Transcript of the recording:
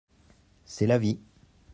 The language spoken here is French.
C'est la vie.